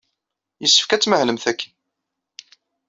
Yessefk ad tmahlemt akken.